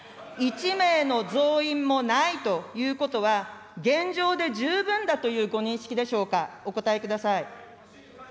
１名の増員もないということは、現状で十分だというご認識でしょうか、お答えください。